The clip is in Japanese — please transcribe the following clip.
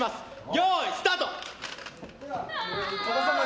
よーい、スタート！